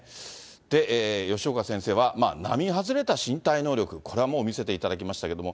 吉岡先生は並外れた身体能力、これはもう見せていただきましたけれども、